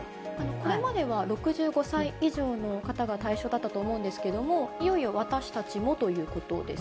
これまでは６５歳以上の方が対象だったと思うんですけど、いよいよ私たちもということです